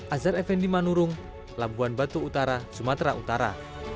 azhar effendi manurung labuan batu utara sumatera utara